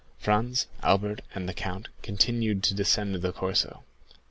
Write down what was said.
Franz, Albert, and the count continued to descend the Corso.